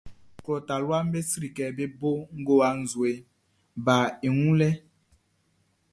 Klɔ taluaʼm be sri kɛ bé bó ngowa nzue baʼn i wun lɛʼn.